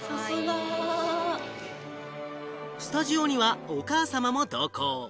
スタジオにはお母様も同行。